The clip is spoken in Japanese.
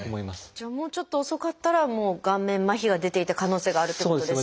じゃあもうちょっと遅かったらもう顔面麻痺が出ていた可能性があるってことですよね。